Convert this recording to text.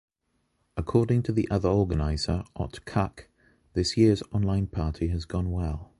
According to the other organizer Ott Kukk, this year’s online party has gone well.